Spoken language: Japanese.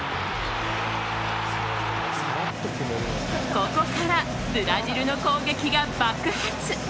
ここからブラジルの攻撃が爆発。